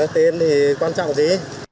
tên thì quan trọng gì